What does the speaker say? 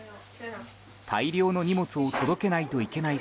大量の荷物を届けないといけない